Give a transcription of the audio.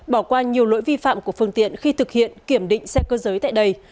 bỏ qua nhiều lỗi vi phạm của phương tiện khi thực hiện kiểm định xe cơ giới tại đây